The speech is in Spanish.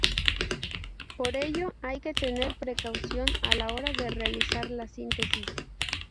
Por ello hay que tener precaución a la hora de realizar la síntesis.